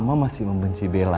mama masih membenci bella